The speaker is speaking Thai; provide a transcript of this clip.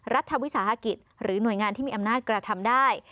รัฐวิสาหกิจหรือหน่วยงานที่มีอำนาจกระทำได้